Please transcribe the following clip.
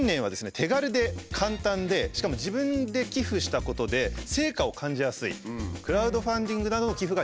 手軽で簡単でしかも自分で寄付したことで成果を感じやすいクラウドファンディングなどの寄付が人気になっていると。